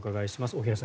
大平さん